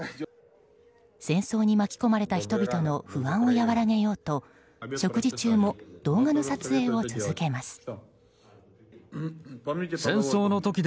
戦争に巻き込まれた人々の不安を和らげようと食事中も動画の撮影を続けます。